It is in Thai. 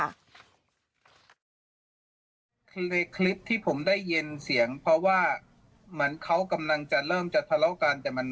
ในคลิปที่ผมได้ยินเสียงเพราะว่าเขากำลังจะเริ่มทะเลาะกัน